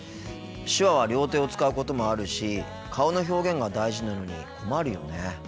手話は両手を使うこともあるし顔の表現が大事なのに困るよね。